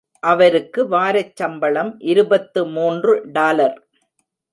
அவருக்கு வாரச் சம்பளம் இருபத்து மூன்று டாலர்.